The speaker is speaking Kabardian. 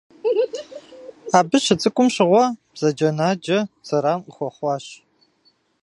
Абы щыцӏыкӏум щыгъуэ бзаджэнаджэ зэран къыхуэхъуащ.